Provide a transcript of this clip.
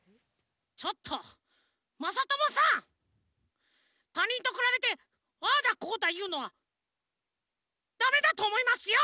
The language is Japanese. ちょっとまさともさたにんとくらべてああだこうだいうのはダメだとおもいますよ！